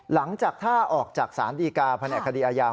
หลังจากถ้าออกจากศาลดีกาแผนกคดีอายาม